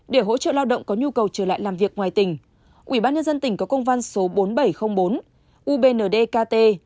để hỗ trợ lao động có nhu cầu trở lại làm việc ngoài tỉnh ubnd tỉnh có công văn số bốn nghìn bảy trăm linh bốn ubnd kt